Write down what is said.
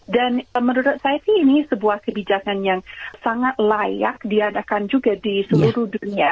dan menurut saya sih ini sebuah kebijakan yang sangat layak diadakan juga di seluruh dunia